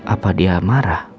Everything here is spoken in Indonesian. apa dia marah